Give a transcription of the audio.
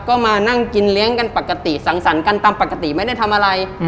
ก็มานั่งกินเลี้ยงกันปกติสังสรรค์กันตามปกติไม่ได้ทำอะไร